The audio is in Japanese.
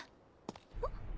あっ。